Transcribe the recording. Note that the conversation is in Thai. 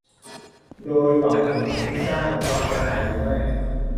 โดยหวังผลสร้างความเสียหรือไม่